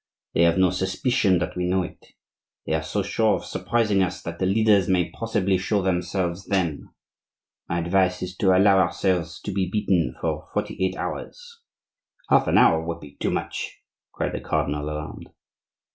They have no suspicion that we know it; they are so sure of surprising us that the leaders may possibly show themselves then. My advice is to allow ourselves to be beaten for forty eight hours." "Half an hour would be too much," cried the cardinal, alarmed.